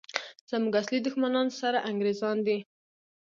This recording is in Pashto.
زموږ اصلي دښمنان سره انګریزان دي!